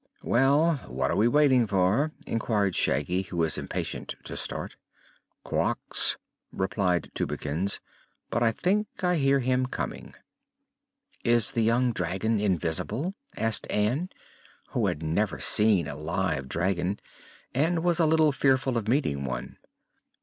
"Well, what are we waiting for?" inquired Shaggy, who was impatient to start. "Quox," replied Tubekins. "But I think I hear him coming." "Is the young dragon invisible?" asked Ann, who had never seen a live dragon and was a little fearful of meeting one.